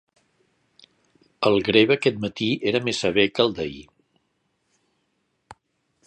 El grebe aquest matí era més sever que el d"ahir.